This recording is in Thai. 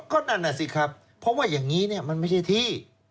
ก็นั่นน่ะสิครับเพราะว่าอย่างนี้เนี่ยมันไม่ใช่ที่